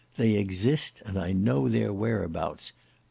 They exist and I know their whereabouts.